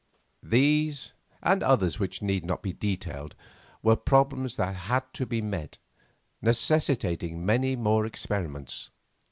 These, and others which need not be detailed, were problems that had to be met, necessitating many more experiments.